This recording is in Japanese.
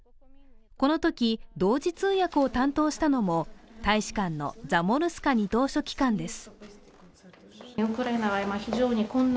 このとき同時通訳を担当したのも大使館のザモルスカ二等書記官です。